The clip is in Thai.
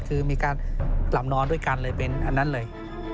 คือมีการหลับนอนด้วยกันเลยเป็นอันนั้นเลย